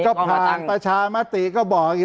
ก็ผ่านประชามตรีก็บอก